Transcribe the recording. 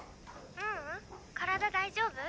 ☎ううん体大丈夫？